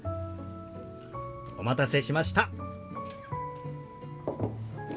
お待たせしました。